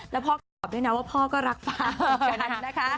แล้วพ่อก็ตอบด้วยนะว่าพ่อก็รักป้าเหมือนกันนะคะ